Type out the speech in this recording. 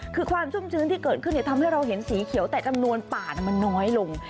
คือความชุ่มชื้นที่เกิดขึ้นทำให้เราเห็นสีเขียวแต่จำนวนป่ามันน้อยลง